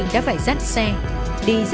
ngày ba tháng sáu